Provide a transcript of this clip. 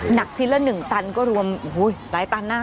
หนักชิ้นละ๑ตันก็รวมโอ้โหหลายตันนะ